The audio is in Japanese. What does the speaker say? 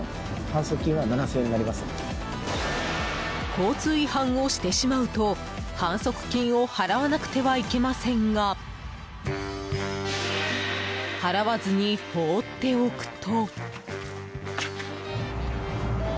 交通違反をしてしまうと反則金を払わなくてはいけませんが払わずに放っておくと。